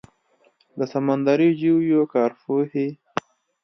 د سمندري ژویو کارپوهې